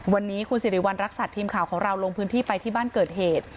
วันนี้คุณสิริวัณรักษัตริย์ทีมข่าวของเราลงพื้นที่ไปที่บ้านเกิดเหตุ